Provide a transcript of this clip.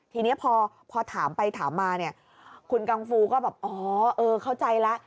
ทีนี้พอถามไปถามมาเนี่ยคุณกังฟูก็แบบอ๋อเออเข้าใจแล้ว